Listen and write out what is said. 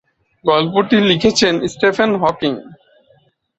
গল্পটি লিখেছিলেন Stephen king.